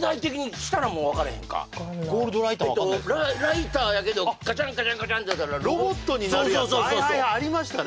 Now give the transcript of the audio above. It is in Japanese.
ライターやけどカチャンカチャンカチャンってやったらそうそうはいはいありましたね